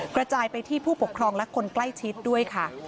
กระจายไปที่ผู้ปกครองและคนใกล้ชิดด้วยค่ะ